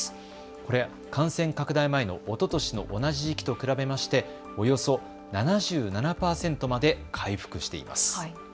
これ、感染拡大前のおととしの同じ時期と比べまして、およそ７７％まで回復しています。